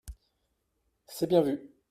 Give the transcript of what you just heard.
C’est bien vu